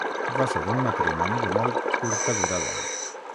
Va ser un matrimoni de molt curta durada.